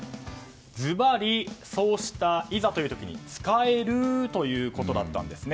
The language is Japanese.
ずばり、そうしたいざという時に使えるということだったんです。